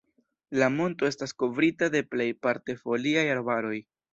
La monto estas kovrita de plejparte foliaj arbaroj.